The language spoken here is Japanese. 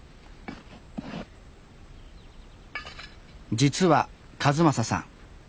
実は一正さん